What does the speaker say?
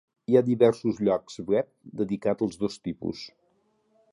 Hi ha diversos llocs web dedicats als dos tipus.